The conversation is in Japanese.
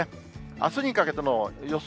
あすにかけての予想